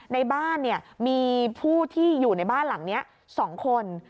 ในบ้านมีผู้ที่อยู่ในบ้านหลังนี้๒คน